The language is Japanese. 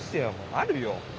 あるよ。